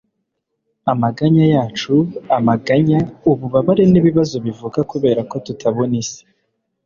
Amaganya yacu, amaganya, ububabare n'ibibazo bivuka kubera ko tutabona isi,